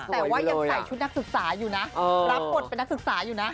แต่ว่ายังใส่ชุดนักศึกษาอยู่นะรับบทเป็นนักศึกษาอยู่นะ